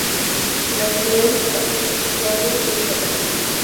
Nació en Pátzcuaro, Michoacán.